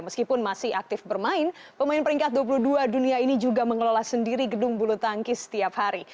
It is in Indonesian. meskipun masih aktif bermain pemain peringkat dua puluh dua dunia ini juga mengelola sendiri gedung bulu tangkis setiap hari